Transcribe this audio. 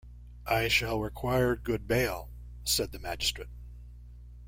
‘I shall require good bail,’ said the magistrate.